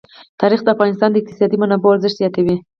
تاریخ د افغانستان د اقتصادي منابعو ارزښت زیاتوي.